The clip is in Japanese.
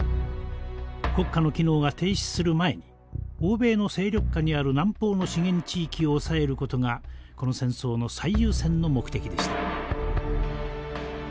国家の機能が停止する前に欧米の勢力下にある南方の資源地域を押さえる事がこの戦争の最優先の目的でした。